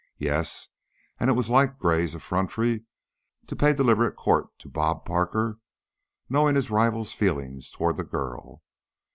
Yes, and it was like Gray's effrontery to pay deliberate court to "Bob" Parker, knowing his rival's feelings toward the girl.